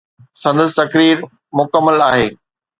سندس تقرير مڪمل آهي